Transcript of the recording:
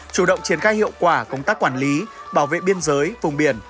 chủ động triển khai hiệu quả công tác quản lý bảo vệ biên giới vùng biển